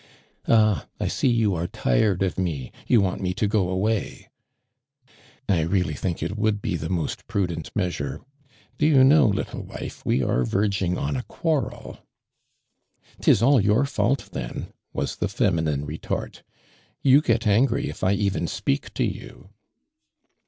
'<Ah! I see you are tired of me — you want me to go away !" "I really think it would be the most prudent measure. Do you know, littlu wife, we are yorging on aquarrel?" r r^ M ARMAND DURAND. /* '"Tis all your fault then," was the femi nine retort. " You get angry if I even speak to you."